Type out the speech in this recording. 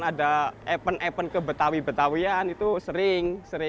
ada event event kebetawi betawian itu sering